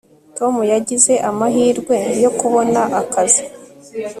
tom yagize amahirwe yo kubona akazi